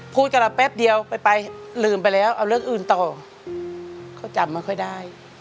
พูดกับเราแป๊บเดียวไปลืมไปแล้วเอาเรื่องอื่นต่อเขาจำไม่ค่อยได้